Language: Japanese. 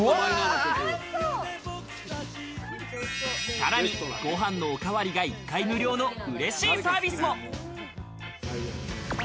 さらに、ご飯のおかわりが１回無料の嬉しいサービスも。